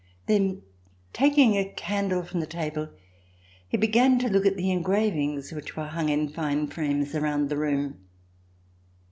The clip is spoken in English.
Then, taking a candle from the table, he began to look at the engravings which were hung in fine frames around the room.